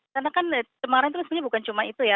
karena kan cemaran itu sebenarnya bukan cuma itu ya